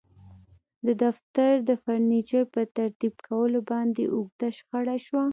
د دفتر د فرنیچر په ترتیب کولو باندې اوږده شخړه شوه